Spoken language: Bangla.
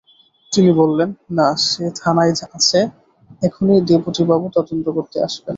তিনি বললেন, না সে থানায় আছে, এখনই ডেপুটিবাবু তদন্ত করতে আসবেন।